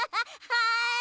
はい。